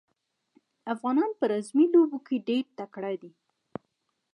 افغانان په رزمي لوبو کې ډېر تکړه دي.